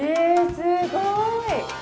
すごーい！